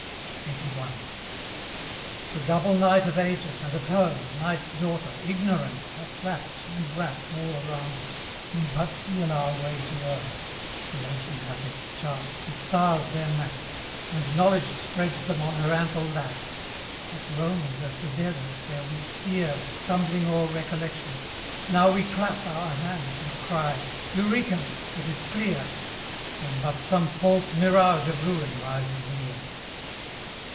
LXXXI. The double night of ages, and of her, Night's daughter, Ignorance, hath wrapt, and wrap All round us; we but feel our way to err: The ocean hath its chart, the stars their map; And knowledge spreads them on her ample lap; But Rome is as the desert, where we steer Stumbling o'er recollections: now we clap Our hands, and cry, 'Eureka!' it is clear When but some false mirage of ruin rises near.